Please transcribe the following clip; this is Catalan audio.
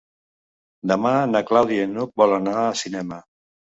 Demà na Clàudia i n'Hug volen anar al cinema.